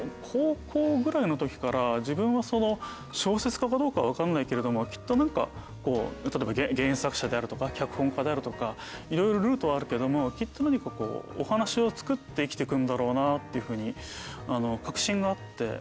高校ぐらいのときから自分は小説家かどうか分かんないけれどもきっと例えば原作者であるとか脚本家であるとか色々ルートはあるけどもきっと何かお話を作って生きてくんだろうなっていう確信があって。